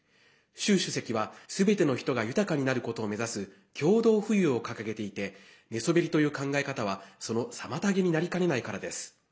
習主席は、すべての人が豊かになることを目指す共同富裕を掲げていて寝そべりという考え方はその妨げになりかねないからです。